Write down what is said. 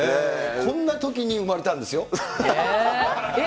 こんなときに生まれたんですえ？